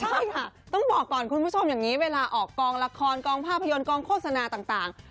ใช่ค่ะต้องบอกก่อนคุณผู้ชมอย่างนี้เวลาออกกองละครกองภาพยนตร์กองโฆษณาต่าง